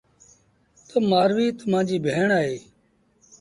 تا مآرويٚ تا مآݩجيٚ ڀيڻ اهي۔